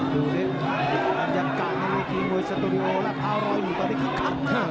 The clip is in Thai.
ดูสิอย่างกลางในวิธีมวยสตูดิโอและพาวรอยอยู่ตอนนี้ครับ